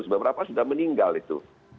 beberapa sudah meninggal itu